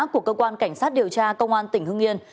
của cơ quan cảnh sát điều tra công an tỉnh hưng yên